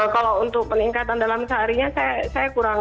kalau untuk peningkatan dalam seharinya saya kurang